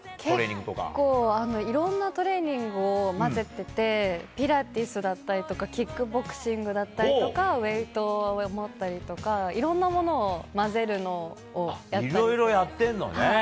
結構いろんなトレーニングを混ぜていてピラティスだったりキックボクシングだったりとかウェイトを持ったりとかいろんなものを混ぜるのをやったり。